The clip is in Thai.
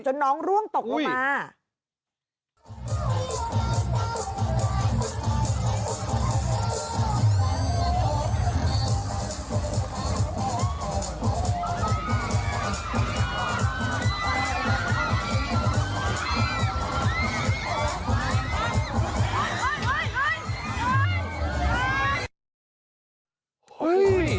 จนน้องร่วงตกลงมาอุ๊ยอุ๊ย